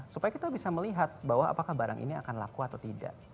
supaya kita bisa melihat bahwa apakah barang ini akan laku atau tidak